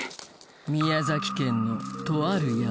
宮崎県のとある山